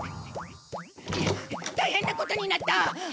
大変なことになった！